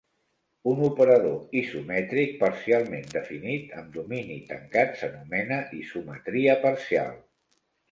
Un operador isomètric parcialment definit amb domini tancat s'anomena isometria parcial.